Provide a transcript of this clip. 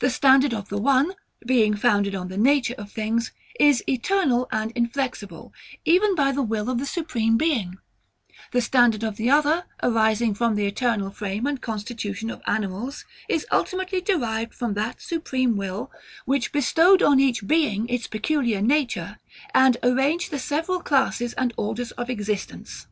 The standard of the one, being founded on the nature of things, is eternal and inflexible, even by the will of the Supreme Being: the standard of the other arising from the eternal frame and constitution of animals, is ultimately derived from that Supreme Will, which bestowed on each being its peculiar nature, and arranged the several classes and orders of existence.